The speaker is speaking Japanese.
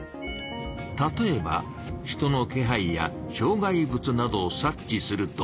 例えば人のけはいやしょう害物などを察知すると。